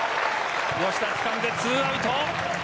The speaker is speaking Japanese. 吉田、つかんで２アウト。